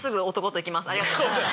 ありがとうございます。